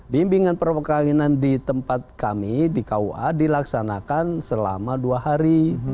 bimbingan perkahwinan di tempat kami di kua dilaksanakan selama dua hari